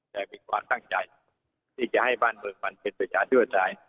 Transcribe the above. แต่มีความตั้งใจที่จะให้บ้านเมืองมันเป็นประชาธิปไตย